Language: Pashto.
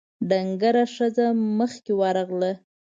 ډنګره ښځه مخکې ورغله: